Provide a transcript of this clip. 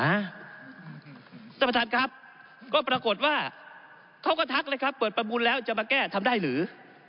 ท่านประธานครับก็ปรากฏว่าเขาก็ทักเลยครับเปิดประมูลแล้วจะมาแก้ทำได้หรือ